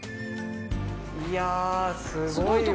いやすごいわ！